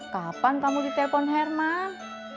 kapan kamu ditelepon herman